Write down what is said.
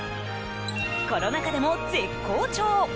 コロナ禍でも絶好調。